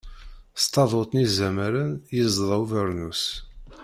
S taduṭ n yizamaren i yezḍa ubernus.